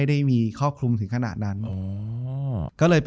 จบการโรงแรมจบการโรงแรม